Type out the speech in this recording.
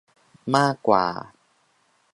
มากกว่า